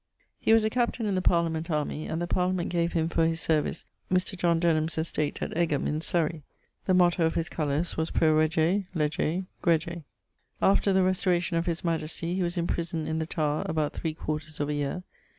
He was a captain in the Parliament army, and the Parliament gave him for his service Mr. John Denham's estate at Egham, in Surrey. The motto of his colours was, Pro Rege, Lege, Grege. After the restauration of his majestie he was imprisoned in the Tower about three quarters of a yeare.